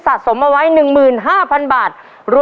ภายในเวลา๓นาที